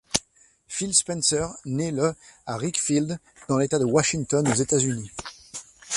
Phil Spencer naît le à Ridgefield, dans l'État de Washington, aux États-Unis.